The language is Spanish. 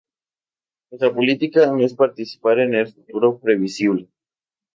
Nuestra política es no participar en el futuro previsible.